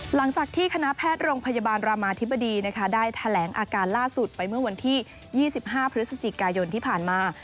หลังจากที่คณะแพทย์โรงพยาบาลรามาธิบดีได้แถลงอาการล่าสุดไปเมื่อวันที่๒๕พฤศจิกายนที่ผ่านมา